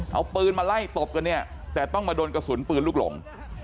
เอาปืนมาไล่ตบกันเนี่ยแต่ต้องมาโดนกระสุนปืนลูกหลง